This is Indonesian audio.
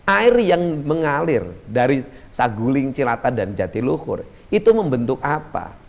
air yang mengalir dari saguling cilata dan jatiluhur itu membentuk apa